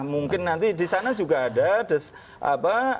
mungkin nanti disana juga ada